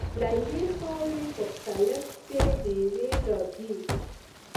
له یوې خاورې مختلفې میوې راځي.